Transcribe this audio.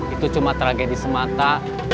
itu cuma tragedi semata